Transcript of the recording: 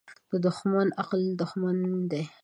• دښمني د عقل دښمنه ده.